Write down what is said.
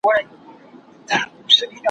په اساس کي بس همدغه شراکت دئ